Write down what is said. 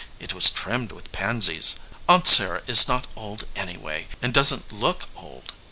It was trimmed with pansies. Aunt Sarah is not old, anyway, and doesn t look old."